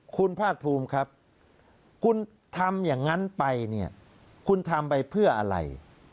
คุณภาคภูมิครับคุณทำอย่างนั้นไปเนี่ยคุณทำไปเพื่ออะไร